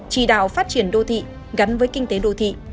chỉ đạo phát triển đô thị gắn với kinh tế đô thị